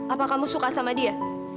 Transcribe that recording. apa kamu suka sama dia